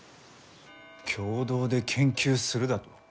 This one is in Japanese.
共同で研究するだと？